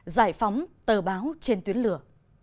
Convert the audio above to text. giải phóng tờ báo trên tuyến lửa